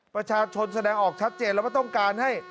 ประชาชนแสดงออกชัดเจนแล้วว่าต้องการให้